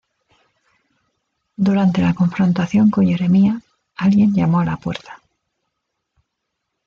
Durante la confrontación con Jeremiah, alguien llamó a la puerta.